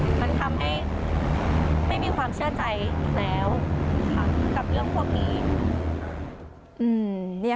มันทำให้ไม่มีความเชื่อใจอีกแล้วค่ะกับเรื่องพวกนี้